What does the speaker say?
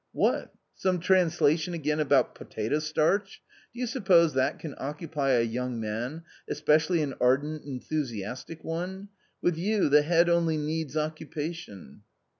" What ? some translation again about potato starch ? Do you suppose that can occupy a young man, especially an ardent, enthusiastic one ? With you the head only needs occupation."